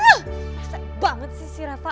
reset banget sih si rafa